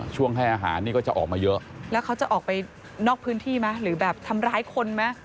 ให้อาหารนี่ก็จะออกมาเยอะแล้วเขาจะออกไปนอกพื้นที่ไหมหรือแบบทำร้ายคนไหม